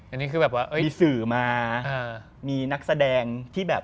อันนี้คือแบบว่ามีสื่อมามีนักแสดงที่แบบ